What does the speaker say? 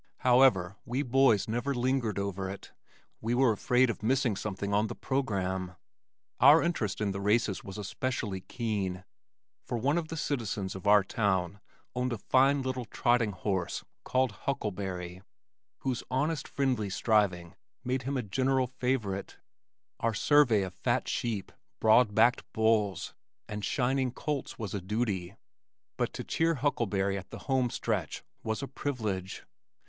However, we boys never lingered over it, we were afraid of missing something of the program. Our interest in the races was especially keen, for one of the citizens of our town owned a fine little trotting horse called "Huckleberry" whose honest friendly striving made him a general favorite. Our survey of fat sheep, broad backed bulls and shining colts was a duty, but to cheer Huckleberry at the home stretch was a privilege.